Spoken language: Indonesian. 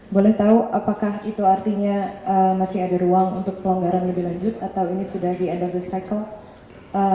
boleh tahu apakah itu artinya masih ada ruang untuk pelonggaran lebih lanjut atau ini sudah di endor recycle